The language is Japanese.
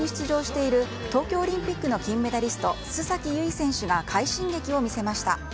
女子５０ｋｇ級に出場している東京オリンピックの金メダリスト、須崎優衣選手が快進撃を見せました。